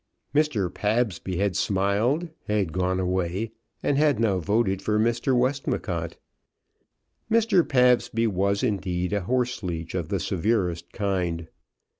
Mr. Pabsby had smiled, had gone away, and had now voted for Mr. Westmacott. Mr. Pabsby was indeed a horseleech of the severest kind.